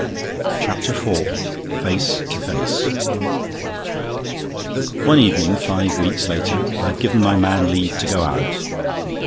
CHAPTER FOUR FACE TO FACE One evening, five weeks later, I had given my man leave to go out.